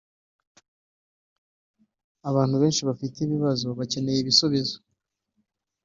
Abantu benshi bafite ibibazo bakenereye ibisubizo